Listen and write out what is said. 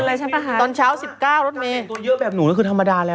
ตอนเก่งตัวเยอะแบบหนูก็คือธรรมดาแล้ว